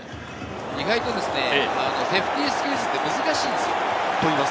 意外とセーフティースクイズって難しいんですよ。